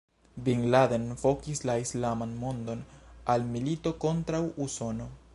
Bin Laden vokis la islaman mondon al milito kontraŭ Usono.